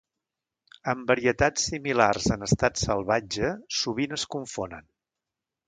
Amb varietats similars en estat salvatge, sovint es confonen.